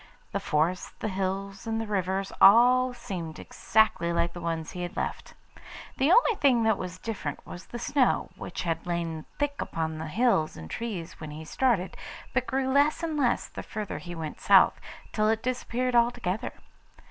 The forests, the hills, and the rivers all seemed exactly like the ones he had left. The only thing that was different was the snow, which had lain thick upon the hills and trees when he started, but grew less and less the farther he went south, till it disappeared altogether.